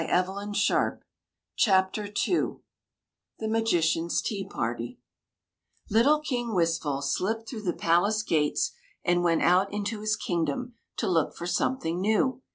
The Magician's Tea Party The Magician's Tea Party LITTLE King Wistful slipped through the palace gates and went out into his king dom to look for something new.